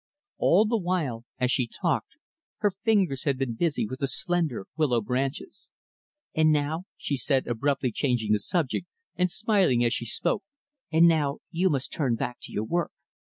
All the while as she talked her fingers had been busy with the slender, willow branches. "And now" she said, abruptly changing the subject, and smiling as she spoke "and now, you must turn back to your work."